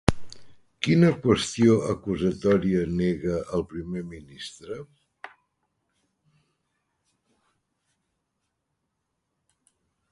Quina qüestió acusatòria nega el primer ministre?